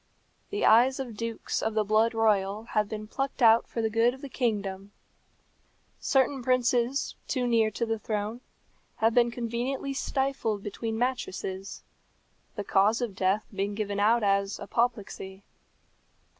The eyes of dukes of the blood royal have been plucked out for the good of the kingdom. Certain princes, too near to the throne, have been conveniently stifled between mattresses, the cause of death being given out as apoplexy.